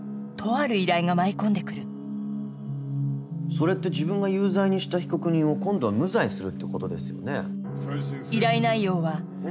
それって自分が有罪にした被告人を今度は無罪にするってことですよね？